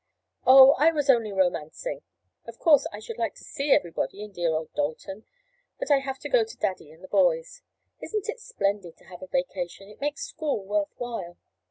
"Oh, I was only romancing. Of course I should like to see everybody in dear old Dalton, but I have to go to daddy and the boys. Isn't it splendid to have a vacation? It makes school worth while."